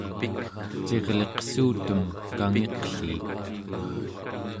cirliqsuutem kangiqliik